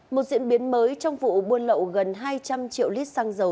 một diễn biến mới trong vụ buôn lậu gần hai trăm linh triệu lít xăng dầu